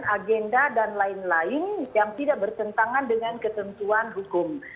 agenda dan lain lain yang tidak bertentangan dengan ketentuan hukum